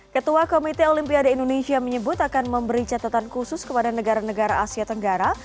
ketua komite olimpiade indonesia menyebut akan memberi catatan khusus kepada negara negara asia tenggara